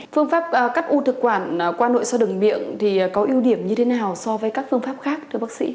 phương pháp cắt u thực quản qua nội soi đường miệng thì có ưu điểm như thế nào so với các phương pháp khác thưa bác sĩ